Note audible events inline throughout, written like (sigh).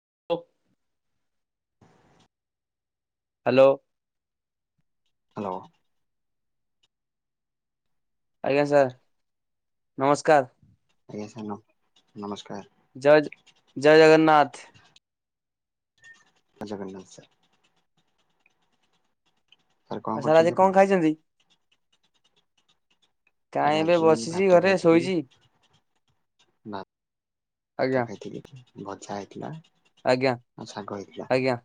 (inaudible) Hello. Hello. ଆଜ୍ଞା sir ନମସ୍କାର। ଆଜ୍ଞା ନମସ୍କାର। ଜୟ ଜୟ ଜଗନ୍ନାଥ। ଯୟ ଜଗନ୍ନାଥ ସାର୍। ସାର୍ କଣ ଆ ସାର କରୁଛନ୍ତି ଆଯି ଆପଣ? କଣ ଖାଇଛନ୍ତି? ସାର୍ କାହିଁ ଏବେ ଆଜି ବସିଚି ଭାତ ଘରେ ଖାଇଥିଲି ଶୋଇଛି। ଭା ଭାତ ଆଜ୍ଞା ଖାଇଥିଲି ଭଜା ହେଇଥିଲା ଆଜ୍ଞା ଆ ଶାଗ ହେଇଥିଲା। ଆଜ୍ଞା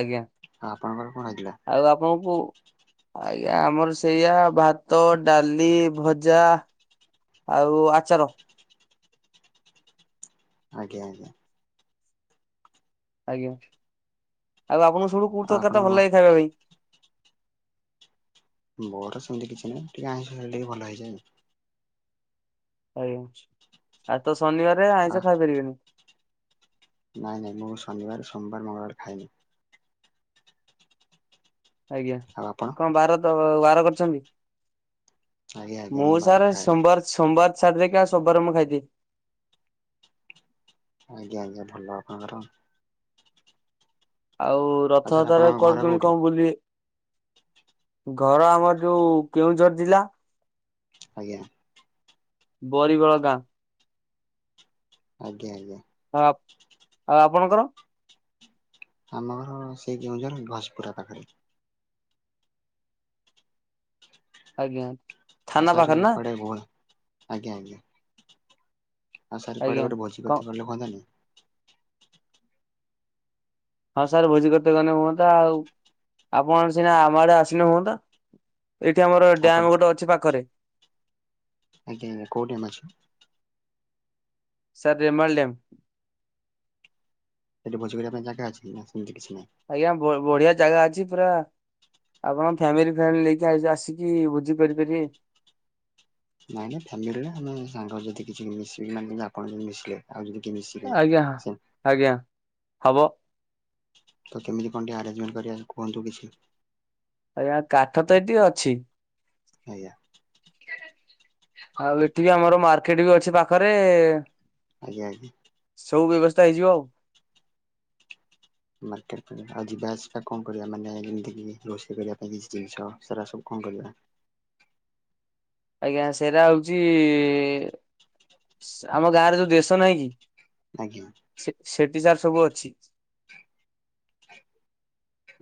ଆଜ୍ଞା ଆଉ ଆପଣଙ୍କର କଣ ହେଇଥିଲା? ଆଉ ଆପଣଙ୍କୁ ଆଜ୍ଞା ଆମର ସେଇଆା ଭାତ ଡାଲି ଭଜା ଆଉ ଆଚାର ଆଜ୍ଞା ଆଜ୍ଞା। ଆଜ୍ଞା ଆଉ ଆପଣଙ୍କୁ ଶବୁଠୁ କୋଉ ଆଉ ତରକାରିଟା ଭଲ ଆପଣଙ୍କ ଲାଗେ ଖାଇବା ପାଇଁ? ମୋର ସେମିତି କିଛି ନାହିଁ ଟିକେ ଆଇଁଷ ଖାଇଲେ ଭଲ ହେଇଯାଏ। ଆଜ୍ଞା ଆଉ ତ ଶନିବରେ ଆ ଆଇଁଷ ଖାଇପାରିବେନି। ନାଇଁ ନାଇଁ ମୁଁ ଶନିବାର ସୋମବାର ମଙ୍ଗଳବାର ଖାଏନି। ଆଜ୍ଞା ଆଉ ଆପଣ? କଣ ବାର ତ ବାର କରିଛନ୍ତି। ଆଜ୍ଞା ଆଜ୍ଞା ମୁଁ ବାର ସାର୍ ଖାଏନି ସୋମବାର ସୋମବାର। ଛାଡ଼ି ଦେଇକି ସବୁ ବାର ମୁଁ ଖାଇ ଦିଏ। ଆଜ୍ଞା ଆଜ୍ଞା ଭଲ ଆପଣଙ୍କର। ଆଉ ସାର୍ ରଥଯାତ୍ରା ଆପଣଙ୍କ କଣ ଘର କେମିତି କୋଉଠି? କଣ ବୁଲିବେ। ଘର ଆମର ଯୋଉ କେଉଁଝର ଜିଲ୍ଲା। ଆଜ୍ଞା। ବରିଗଳ ଗାଁ। ଆଜ୍ଞା ଆଜ୍ଞା। ଆ ଆଉ ଆପଣଙ୍କର। ଆମ ଘର ସେଇ କେଉଁଝର ଘସିପୁରା ପାଖରେ। ଆଜ୍ଞା। ଆଉ ଥାନା ସାରେ ପାଖରେ ନା କୁଆଡେ ବୁଲ ଆଜ୍ଞା ଆଜ୍ଞା। ଆଉ ସାର୍ କୁଆଡ଼େ ଆଜ୍ଞା ଗୋଟେ ଭୋଜି କଣ କରୀତେ ଭଲ ହୁଅନ୍ତାନି। ହଁ ସାର ଭୋଜି କରିତେ ଗନେ ହୁଅନ୍ତା ଆଉ। ଆପଣ ସିନା ଆମ ଆଡେ ଆସିନେ ହୁଅନ୍ତା। ଏଇଠି ଆମର ଆପଣ ଡ୍ୟାମ ଗୋଟେ ଅଛି ପାଖରେ। ଆଜ୍ଞା ଆଜ୍ଞା କୋଉଠି ଆମେ ଅଛୁ। Sir Remal dam. ସେଠି ଭୋଜି କରିବା ପାଇଁ ଯାଗା ଅଛି ନା ସେମିତି କିଛି ନାହିଁ। ଆଜ୍ଞା ବ-ବଢିଆ ଜାଗା ଅଛି ପୁରା। ଆପଣ ଫ୍ୟାମିଲି ଫ୍ୟାମିଲି ନେଇକି ଆ-ଆସିକି ଭୋଜି କରିପାରିବେ। ନାଇଁ ନାଇଁ ଫ୍ୟାମିଲିରେ ନୁହେଁ ଆମେ ସାଙ୍ଗ ଯଦି କିଛି ମିସି (unintelligible) ଆପଣ ଯଦି ମିଶିଲେ। ଆଉ ଯଦି କିଏ ମିଶିଲେ ଆଜ୍ଞା ସେ ଆଜ୍ଞା ହବ। ତ କେମିତି କଣ ଟିକିଏ ଆରେଞ୍ଜମେଣ୍ଟ କରିବା କୁହନ୍ତୁ କିଛି। ଆଜ୍ଞା କାଠ ତ ଏଠି ଅଛି। ଆଜ୍ଞା। ଆଉ ଏଠି ବି ଆମର ମାର୍କେଟ ବି ଅଛି ପାଖରେ। ଆଜ୍ଞା ଆଜ୍ଞା। ସବୁ ବ୍ୟବସ୍ଥା ହେଇଯିବ ଆଉ। ମାର୍କେଟ ଆଉ ଯିବା ଆସିବା କଣ କରିବା ମାନେ ଯେମିତି କି ରୋଷେଇ କରିବା ପାଇଁ କିଛି ଜିନିଷ ସେରା ସବୁ। କଣ କରିବା? ଆଜ୍ଞା ସେଇଟା ହଉଛି ଆମ ସ ଗାଁରେ ଯୋଉ ଦେଶ ନାହିଁ କି। ଆଜ୍ଞା। ଟିଜାର ସବୁ ଅଛି।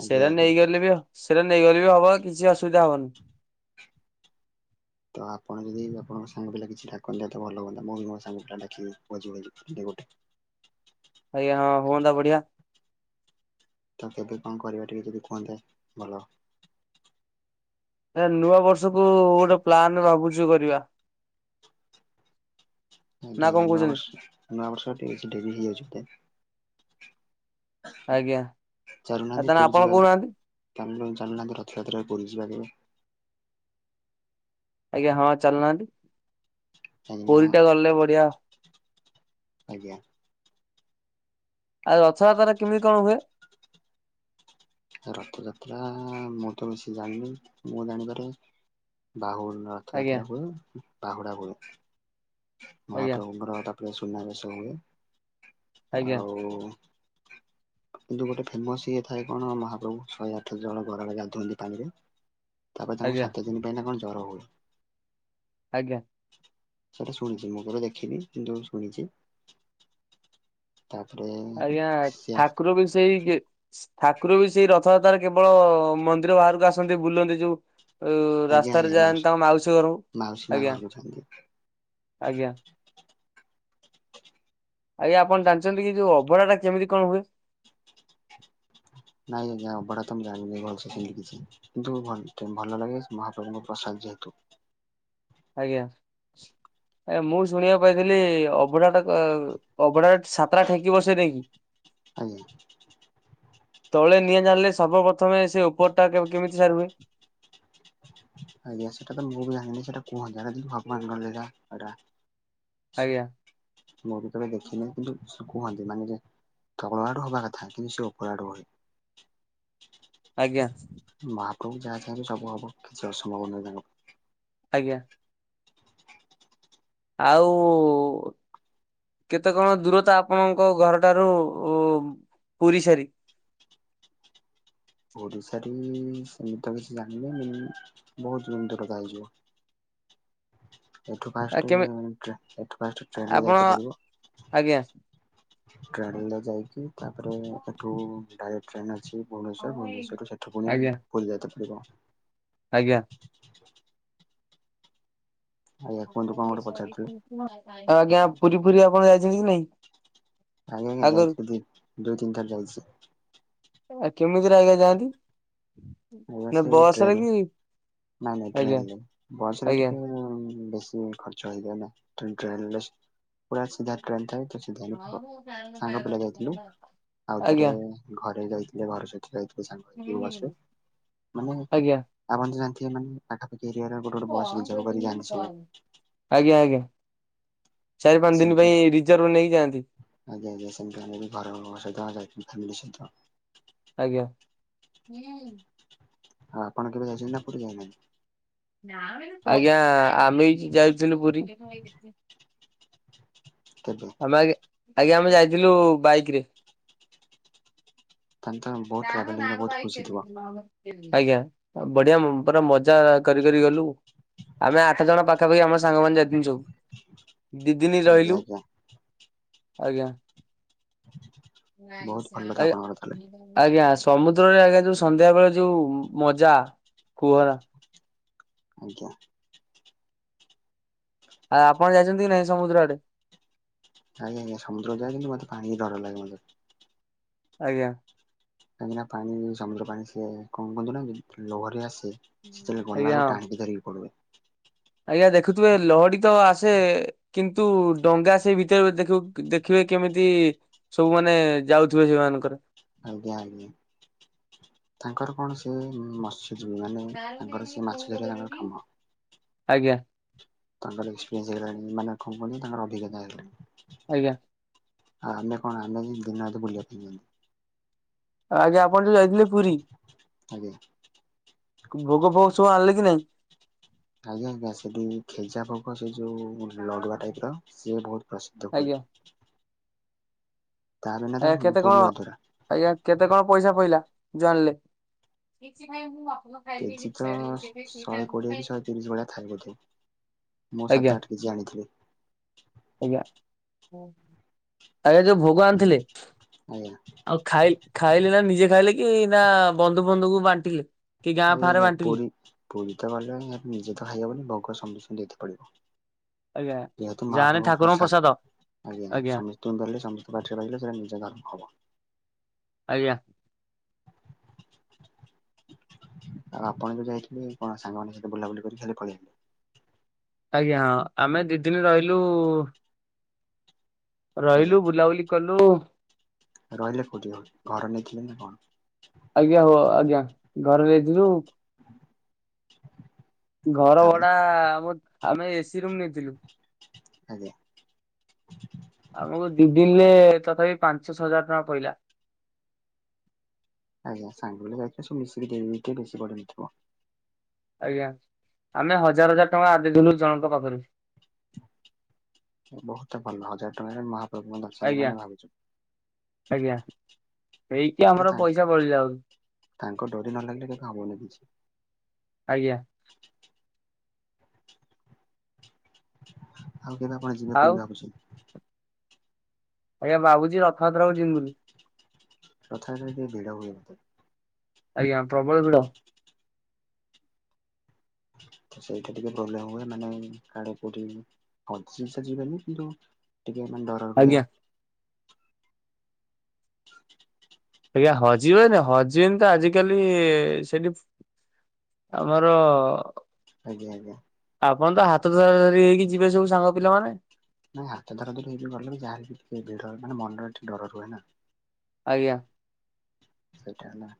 ଆଜ୍ଞା ସେରା ଆଜ୍ଞା। ନେଇଗଲେ ବି ହ ସେରା ନେଇଗଲେ ବି ହବ କିଛି ଅସୁବିଧା ହବନି। ତ ଆପଣ ଯଦି ଆପଣଙ୍କ ସାଙ୍ଗ ପିଲା କିଛି ଡାକନ୍ତେ ତ ଭଲ ହୁଅନ୍ତା ମୁଁ ବି ମୋର ସାଙ୍ଗ ପିଲା ଡାକିବି ପୁଅ ଝିଅ ହେଇକି (unintelligible) ଗୋଟେ। ଆଜ୍ଞା ହଁ ହୁଅନ୍ତା ବଢିଆ। ତ କେବେ କଣ କରିବା ଟିକେ ଯଦି କୁହନ୍ତେ ଭଲ। ଏ ନୂଆ ବର୍ଷ କୁ ଗୋଟେ ପ୍ଲାନ ଭାବୁଛି କରିବା। ନା ଆଜ୍ଞା କଣ ଆଜ୍ଞା କହୁଛନ୍ତି ନୂଆବର୍ଷ ନୂଆବର୍ଷ ଟିକେ ଡେରି ହେଇଯାଉଛି ବଧେ। ଆଜ୍ଞା ଆ ତାହେନେ ଆପଣ କହୁନାହାନ୍ତି। ତାମିଲୁନ ଚାଲୁନାହାନ୍ତି ରଥଯାତ୍ରାରେ ପୁରୀ ଯିବା କେବେ। ଆଜ୍ଞା ହଁ ଚାଲୁନାହାନ୍ତି କାହିଁକିନା ପୁରୀ ତ ଗଲେ ବଢିଆ। ଆଜ୍ଞା। ଆଉ ରଥଯାତ୍ରାରେ କେମିତି କଣ ହୁଏ? ରଥଯାତ୍ରା ମୁଁ ତ ବେଶୀ ଜାଣିନି ମୁଁ ଜାଣିବାରେ। ବାହୁ ଆଜ୍ଞା ରଥଯାତ୍ରା ହୁଏ ବାହୁଡା ହୁଏ ଆଜ୍ଞା ମହାପ୍ରଭୁଙ୍କର ତାପରେ ସୁ ସୁନାବେଶ ହୁଏ ଆଜ୍ଞା ଆଉ କିନ୍ତୁ ଗୋଟେ ଫେମସ ଇଏ ଥାଏ କଣ ମହାପ୍ରଭୁ ଶହେ ଆଠ ଜଣ ଗରା ରେ ଗାଧାନ୍ତି ପାଣିରେ ତାପରେ ତାଙ୍କୁ ଆଜ୍ଞା ସାତ ଦିନ ପାଇଁ ନା କଣ ଜର ହୁଏ। ଆଜ୍ଞା। ସେଟା ଶୁଣିଛି ମୁଁ ଘର ଦେଖିନି କିନ୍ତୁ ଶୁଣିଛି ତାପରେ ଆଜ୍ଞା ସେ ଠାକୁର ବି ସେଇ ଠାକୁର ବି ସେଇ ରଥଯାତ୍ରାରେ କେବଳ ମନ୍ଦିର ବାହାରକୁ ଆସନ୍ତି ବୁଲନ୍ତି ଯୋଉ ଆଜ୍ଞା ରାସ୍ତାରେ ଆଜ୍ଞା ଯାଆନ୍ତି ତମ ମାଉସୀ ଘରକୁ ମାଉସୀ ମା ଆଜ୍ଞା। ଘରକୁ ଯାଆନ୍ତି। ଆଜ୍ଞା। ଆଜ୍ଞା ଆପଣ ଜାଣିଛନ୍ତି କି ଯୋଉ ଅଭଢା ଟା କେମିତି କଣ ହୁଏ? ନାଇଁ ଅଭଢା ତ ମୁ ଜାଣି ଭଲସ ସେମିତି କିଛି, କିନ୍ତୁ ଭଲ ଲାଗେ ମହାପ୍ରଭୁଙ୍କ ପ୍ରସାଦ ଯେହେତୁ। ଆଜ୍ଞା। ଏ ମୁଁ ଶୁଣିବାକୁ ପାଇଥିଲି ଅବଢାଟା ଅବଢାଟ ସତେ ଟା ଠେକି ବସେଇ ନେଇକି ଆଜ୍ଞା। ତଳେ ନିଆଁ ଜାଣିଲେ ସର୍ବପ୍ରଥମେ ସେ ଉପର ଟା କେମିତି ସାର ହୁଏ? ଆଜ୍ଞା ସେଇଟା ତ ମୁଁ ବି ଜାଣିନି ସେଟା କୁହନ୍ତିି, ଭଗବାନଙ୍କରେ ଯା ଏଇଟା ଆଜ୍ଞା। ମୁଁ ବି ତବେ ଦେଖିନି କିନ୍ତୁ କୁହନ୍ତି ମାନେ ଯେ ତଳ ଆଡୁ ହବା କଥା କିନ୍ତୁ ସେ ଉପରୁ ଆଡୁ ହୁଏ। ଆଜ୍ଞା। ମହାପ୍ରଭୁ ଯାହା ଯହାଛ ସବୁ ହବ କିଛି ଅସମ୍ଭବ ନହି ଜଣ ଆଜ୍ଞା। ଆଉ କେତେ କଣ ଦୂରତା ଆପଣଙ୍କ ଘର ଠାରୁ ପୁରୀ ସାରି ଓଡିଶାରେ ସେମିତି ତ କିଛି ଜାଣିବେ ବହୁତ ଦୂର ଦୂରତା ହେଇଯିବ (inaudible) ଏଠୁ ଆ ଫାଷ୍ଟ କେମି ଏଠୁ ଫାଷ୍ଟ ଟ୍ରେନରେ ଆପଣ ଯାଇତ ପଡିବ ଆଜ୍ଞା ଟ୍ରେନ ଯାଇକି ତାପରେ ଏଠୁ ଡାଇରେକ୍ଟ୍ ଟ୍ରେନ ଅଛି ଭୁବନେଶ୍ୱର, ଭୁବନେଶ୍ୱରରୁ ସେଠୁ ପୁଣି ଆଜ୍ଞା ବୁଲି ଯାଇତେ ପଡିବ। ଆଜ୍ଞା। ଆଜ୍ଞା କୁହନ୍ତୁ କଣ ଗୋଟେ ପଚାରୁଥିଲେ ଆଜ୍ଞା ପୁରୀ ଫୁରୀ ଆପଣ ଯାଇଛନ୍ତି କି ନାଇଁ? ଆଜ୍ଞା ଆଜ୍ଞା ଆଗରୁ? ଯାଇଥିଲି। ଦୁଇ ତିନିଥର ଯାଇଛି। ଆଉ କେମିତିରେ ଆଜ୍ଞା ଯାଆନ୍ତି? ସେ ନା ସେଇ ବସ ରେ ଟ୍ରେନ, କି ନାଇଁ ନାଇଁ ଆଜ୍ଞା ଟ୍ରେନରେ, ବସରେ ଆଜ୍ଞା ଟିକେ ବ ଖର୍ଚ ହେଇଯଏ ନା, ଟ୍ରେନ ରେ ପୁର ସିଧା ଟ୍ରେନ ଥାଏ। ସିଧା ସାଙ୍ଗ ପିଲା ଯାଇଥିଲୁ, ଆଉ ଥରେ ଆଜ୍ଞା ଘରେ ଯାଇଥିଲୁ ଘର ସହିତ ଯାଇଥିଲୁ ସାଙ୍ଗ ହେଇକି ବସ ରେ, ମାନେ ଆଜ୍ଞା। ଆପଣ ତ ଜାଣିଥିବେ ନା ପାଖ ଏରିଆରୁ ଗୋଟେ ଗୋଟେ ବସ ରିଜର୍ଭ କରି ଜାଆନ୍ତି ସବୁ ଆଜ୍ଞା ଆଜ୍ଞା ଚାରି ପାଞ୍ଚ ଦିନ ସେମିତି ପାଇଁ ଆଉ। ରିଜର୍ଭ ନେଇକି ଯାଆନ୍ତି ଆଜ୍ଞା ଆଜ୍ଞା ସେମିତି ଆମେ ବି ଘର ସହିତ ଯାଇଥିଲୁ (unintelligible) ଆଜ୍ଞା। ଆଉ ଆପଣ କେବେ ଯାଇଛନ୍ତି ନା ପୁରୀ ଯାଇନାହାଁନ୍ତି? ଆଜ୍ଞା ଆମେ ଏଇଠି ଯାଇଥିଲୁ ପୁରୀ କେବେ? ଆମେ ଆଜ୍ଞା, ଆଜ୍ଞା ଆମେ ଯାଇଥିଲୁ ବାଇକ ରେ। ତାହେଲେ ତ ବହୁତ (inaudible) ଟ୍ରାଭେଲିଂରେ ବହୁତ ଖୁସି ଥିବ ଆଜ୍ଞା, ବଢିଆ ମ ପୁରା ମ କରି କରି ଗଲୁ, ଆମେ ଆଠ ଜଣ ପାଖାପାଖି ଆମ ସାଙ୍ଗ ମାନ ଯାଇଥିଲୁ ସବୁ। ଦିଦିନ ଆଜ୍ଞା ରହିଲୁ। ଆଜ୍ଞା ଆଜ୍ଞା। ବହୁତ ଭଲ ତ ଆଜ୍ଞା, ଆପଣଙ୍କର ତାହେଲେ। ଆଜ୍ଞା। ସମୁଦ୍ରରେ ଆଜ୍ଞା ଯୋଉ ସନ୍ଧ୍ୟା ବେଳେ ଯୋଉ ମଜା କୁହନା। ଆଜ୍ଞା। ଆ ଆପଣ ଯାଇଛନ୍ତି କି ନାଇଁ ସମୁଦ୍ର ଆଡେ? ଆଜ୍ଞା ଆଜ୍ଞା, ସମୁଦ୍ର ଯାଏ କିନ୍ତୁ ମତେ ପାଣିିକୁ ଡର ଲାଗେ ମତେ। ଆଜ୍ଞା। କାହିଁକିନା, ପାଣି ସମୁଦ୍ର ପାଣି ସିଏ କଣ କୁହନ୍ତୁ ନା ଲହରୀ ଆସେ। ସେତେବେଳେ ଗଲା ଆଜ୍ଞା ବେଳକୁ ହଁ ଟାଣିିକି ଧରିକି ପଳେଇବ। ଆଜ୍ଞା ଦେଖୁଥିବେ ଲହଡି ତ ଆସେ, କିନ୍ତୁ ଡଙ୍ଗା ସେଇ ଭିତରେ ଦେଖିବେ କେମିତି ସବୁମାନେ ଯାଉଥିବେ ସେଇ ମାନଙ୍କରେ। ଆଜ୍ଞା ଆଜ୍ଞା। ତାଙ୍କର କଣ ସେ ମତ୍ସ୍ୟ ମାନେ ତାଙ୍କର ସେ ମାଛ ଧରିବା ତାଙ୍କର କାମ। ଆଜ୍ଞା। ତାଙ୍କର ଏକ୍ସପିରିନ୍ସ ହେଇଗଲାଣି। ମାନେ କଣ କୁହନି ତାଙ୍କର ଅଭିଜ୍ଞତା ହେଇଗଲାଣି। ଆଜ୍ଞା। ଆମେ କଣ, ଆମେ ଏଇ ଦିନ ରାତି ବୁଲିବା ପାଇଁ ଯା ଆଜ୍ଞା ଆପଣ ଯଉ ଯାଇଥିଲେ ପୁରୀ। ଆଜ୍ଞା। ଭୋଗ ଫୋଗ ସବୁ ଆଣିଲେ କି ନାଇଁ? ଆଜ୍ଞା ଆଜ୍ଞା ସେଠି ଖେଜା ଫୋଗ ସେ ଯୋଉ ଲଡୁଆ ଟାଇପ ର ସିଏ ବହୁତ ପ୍ରସିଦ୍ଧ ପୁରୀରେ। (inaudible) ତା ବିନା ତ ଆଜ୍ଞା କେତେ କଣ ପୁରୀ ଅଧୁରା। ଆଜ୍ଞା କେତେ କଣ? ପଇସା ପଇଲା ଯୋଉ ଆଣିଲେ? କେଜି ତ ଶ ଶହେ କୋଡିଏ କି ଶହେ ତିରିଶ ଭଳିଆ ଥାଏ ବୋଧେ। ମୁଁ ଆଜ୍ଞା ସାତ ଆଠ କେଜି ଆଣିଥିଲି। ଆଜ୍ଞା, ଆଜ୍ଞା ଯୋଉ ଭୋଗ ଆଣିଥିଲେ ଆଜ୍ଞା ଆଉ ଖାଇ ଖାଇଲେ ନା ନିଜେ ଖାଇଲେ କି, ନା ବନ୍ଧୁ ଫନ୍ଧୁକୁ ବାଣ୍ଟିଲେ? କି ଗାଁ ନାଇଁ ଫାଁ ରେ ଆଜ୍ଞା, ବାଣ୍ଟିଲେ ପୁରୀ ପୁରୀ ତ ଗଲେ ନିଜେ ତ ଖାଇହବନି, ଭୋଗ ସମସ୍ତଙ୍କୁ ଦେଇଥାଉ। ପଡ଼ିବ। ଆଜ୍ଞା ଯାହେନେ ଠାକୁରଙ୍କ ପ୍ରସାଦ। ଆଜ୍ଞା ସମସ୍ତଙ୍କୁ ଧରିଲେ ସମସ୍ତେ ପାଟିରେ ପକେଇଲେ ସେଟା ନିଜେର ହବ। ଆଜ୍ଞା। (inaudible) ଆଉ ଆପଣ ଯୋଉ ଯାଇଥିଲେ କଣ ସାଙ୍ଗମାନଙ୍କ ସହିତ ବୁଲାବୁଲି କରି ଖାଲି ପଳେଇଆସିଲେ? ଆଜ୍ଞା ହଁ ଆମେ ଦି ଦିନି ରହିଲୁ। ଆଜ୍ଞା ରହିଲୁ ବୁଲାବୁଲି କଲୁ। ରହିଲେ କୋଉଠି ଘର ନେଇଥିଲେ ନା କଣ? ଘର ନେଇଥିଲୁ। (inaudible) ଘର ତାପରେ ଭଡା ଆମ ଆମେ ଏସି ରୁମ ନେଇଥିଲୁ। ଆଜ୍ଞା। ଆମକୁ ଦି ଦିନି ରେ ତଥାପି ପାଞ୍ଚଶହ ହଜାର ଟଙ୍କା ପଡିଲା। ଆଜ୍ଞା ସାଙ୍ଗରେ ଯାଇଥିଲେ ସବୁ ମିିକି ଦେଇଦେଇଥିବ ବେଶୀ ପଡ଼ିନଥିବ। ଆଜ୍ଞା ଆମେ ହଜାର ହଜାର ଟଙ୍କା ଆଦେଇଥିଲୁ ଜଣଙ୍କ ପାଖରୁ। ବହୁତ ଭଲ ହଜାର ଟଙ୍କା ରେ ମହାପ୍ରଭୁ ଙ୍କ ଦର୍ଶନ ଆଜ୍ଞା ମାନେ ଭାବୁଥିବେ। ଆଜ୍ଞା ହେଇକି ଆରେ ଆମର ତାଙ୍କ ପଇସା ବଳିଲାନି। ତାଙ୍କ ଡୋରି ନ ଲାଗିଲେ ହବନି କିଛି। ଆଜ୍ଞା। ଆଉ କେବେ ଆପଣ ଯିବେ ଆଉ ପୁରୁଣା ଅଫିସ୍ କି। ଆଜ୍ଞା ଭାବୁଛି ରଥଯାତ୍ରା କୁ ଯିବି ବୋଲି। ରଥ ଯାତ୍ରା ରେ ଟିକେ ଭିଡ଼ ହୁଏ। ଆଜ୍ଞା ପ୍ରବଳ ଭିଡ଼। ସେଇଟା ଟିକେ ପ୍ରୋବେଲ୍ମ ହୁଏ। ମାନେ କାଳେ କୋଉଁଠି (unintelligible) ଯିବେନି କିନ୍ତୁ ଟିକେ ମାନେ ଡର ଆଜ୍ଞା। ହୁଏ। (inaudible) ଆଜ୍ଞା ହଜିବନି ହଜିବେନି ତ ଆଜିକାଲି ସେଠି ଆମର ଆଜ୍ଞା ଆଜ୍ଞା। ଆପଣ ତ ହାତ ଧରା ଧରି ହେଇକି ଯିବେ ସବୁ ସାଙ୍ଗ ପିଲାମାନେ। ନାଇଁ ହାତ ଧରା ଧରି ହେଇହି ଗଲେ ବି ଯାହାଲେ ବି ଟିକି ଭିଡ଼ ରୁହେ ନା ମନରେ ଟିକେ ଡର ରୁହେ ନା। ଆଜ୍ଞା। ସେଇଟା ହେଲା।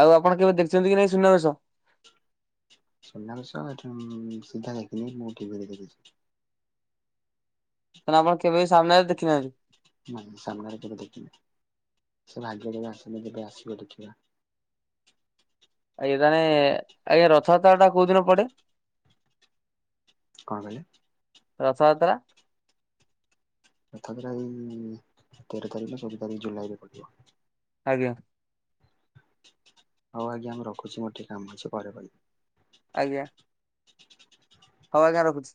ଆଉ ଆପଣ କେବେ ଦେଖିଛନ୍ତି କି ନାଇଁ ସୁନାବେଶ? ସୁନାବେଶ ଏଠି ସିଧା ଦେଖିନି ମୁଁ ଟିଭି ରେ ଦେଖିଛି। ତ ଆପଣ କେବେ ବି ସାମ୍ନାରେ ଦେଖିନାହାନ୍ତି? ନାଁ ସାମନାରେ କେବେ ଦେଖି ନି। ସେ ଭାଗ୍ୟ ମୋର ଆସିନି କେବେ ଆସିବ ଦେଖିବା। ଆଜ୍ଞା ତାହେନେ ଆଜ୍ଞା ରଥଯାତ୍ରା ଟା କୋଉଁ ଦିନପଡ଼େ। କଣ କହିଲେ। ରଥ ଯାତ୍ରା। ରଥଯାତ୍ରା ଏଇ ତେର ତାରଖ ନା ଚଉଦ ତାରିଖ ଜୁଲାଇ ରେ ପଡ଼ିବ। ଆଜ୍ଞା। ହଉ ଆଜ୍ଞା ମୁଁ ରଖୁଛି। ମୋର ଟିକେ କାମ ଅଛି ପରେ କରିବି। ଆଜ୍ଞା ହଉ ଆଜ୍ଞା ରଖୁଛି।